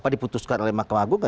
diputuskan oleh mahkamah agung